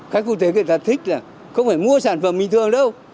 cách cụ thể người ta thích là không phải mua sản phẩm bình thường đâu